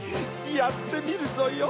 やってみるぞよ。